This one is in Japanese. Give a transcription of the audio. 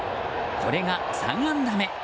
これが３安打目。